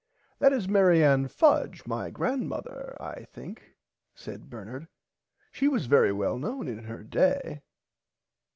That is Mary Ann Fudge my grandmother I think said Bernard she was very well known in her day.